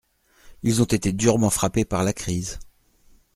Ils ont été durement frappés par la crise.